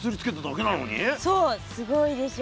そうすごいでしょ。